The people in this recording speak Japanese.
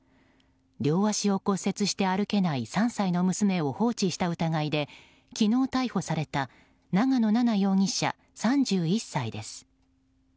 両足を骨折して歩けない３歳の娘を放置した疑いで昨日逮捕された長野奈々容疑者、３１歳です。